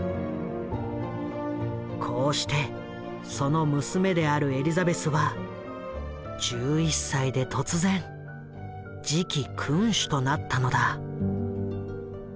こうしてその娘であるエリザベスは１１歳で突然次期君主となったのだ。